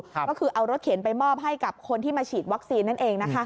ก็คือเอารถเข็นไปมอบให้กับคนที่มาฉีดวัคซีนนั่นเองนะคะ